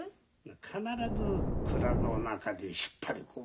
必ず蔵の中に引っ張り込む。